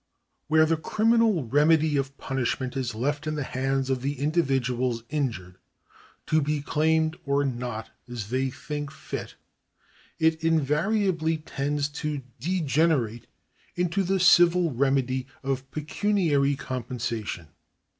Where the criminal remedy of punishment is left in the hands of the individuals injured, to be claimed or not as they think fit, it invariably tends to degenerate into the civil remedy of pecuniary compensation.